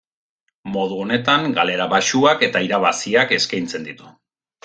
Modu honetan, galera baxuak eta irabaziak eskaintzen ditu.